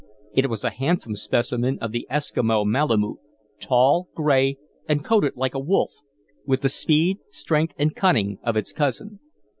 It was a handsome specimen of the Eskimo malamoot tall, gray, and coated like a wolf, with the speed, strength, and cunning of its cousin.